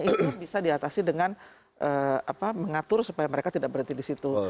itu bisa diatasi dengan mengatur supaya mereka tidak berhenti di situ